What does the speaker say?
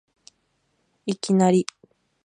いきなり